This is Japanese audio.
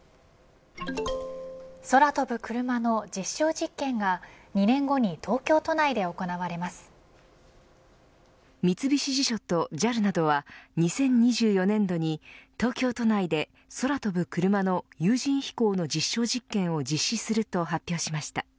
空飛ぶクルマの実証実験が２年三菱地所とＪＡＬなどは２０２４年度に東京都内で空飛ぶクルマの有人飛行の実証実験を実施すると発表しました。